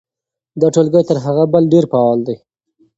دا ټولګی تر هغه بل ډېر فعال دی.